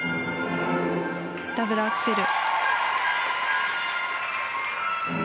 ダブルアクセル。